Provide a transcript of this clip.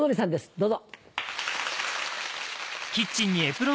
どうぞ。